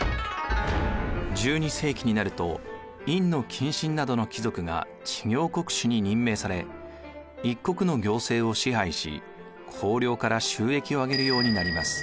１２世紀になると院近臣などの貴族が知行国主に任命され一国の行政を支配し公領から収益をあげるようになります。